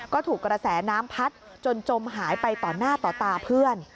ก็ถูกกระแสน้ำพัดจนจมหายไปต่อหน้าต่อตาเพื่อน